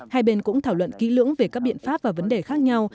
hai bên cũng thảo luận kỹ lưỡng về các biện pháp và vấn đề khác nhau